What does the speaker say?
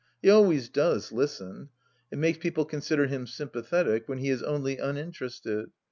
He always does listen. It makes people consider him sympathetic when he is only uninterested.